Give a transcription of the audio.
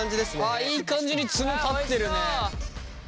ああいい感じにツノ立ってるね！